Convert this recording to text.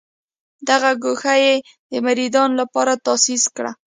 دغه ګوښه یې د مریدانو لپاره تاسیس کړه.